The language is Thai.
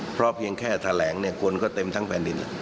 เพราะเพียงแค่แถลงเนี่ยคนก็เต็มทั้งแผ่นดิน